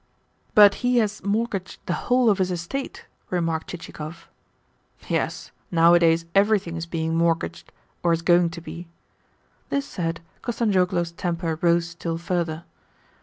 "But he has mortgaged the whole of his estate?" remarked Chichikov. "Yes, nowadays everything is being mortgaged, or is going to be." This said, Kostanzhoglo's temper rose still further.